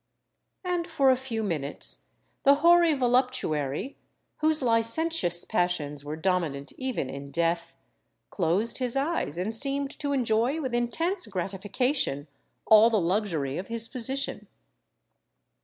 And for a few minutes the hoary voluptuary, whose licentious passions were dominant even in death, closed his eyes and seemed to enjoy with intense gratification all the luxury of his position.